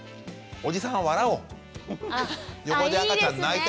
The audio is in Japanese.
おじさん笑おう。